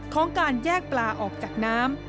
ของการแยกปลาออกจากน้ำ